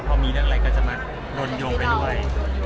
พอมีเรื่องอะไรก็จะมาโดนโยงไปด้วย